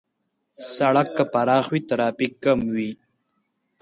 سړک که پراخ وي، ترافیک کم وي.